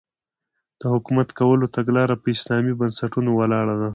د حکومت کولو تګلاره په اسلامي بنسټونو ولاړه ده.